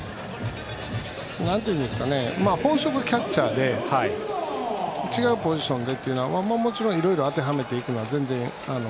本職はキャッチャーで違うポジションでというのはもちろん、いろいろ当てはめていくのは全然。